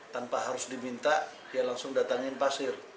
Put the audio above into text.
tanpa harus diminta dia langsung datangin pasir